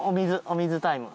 お水タイム。